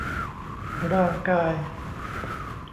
ร่างกาย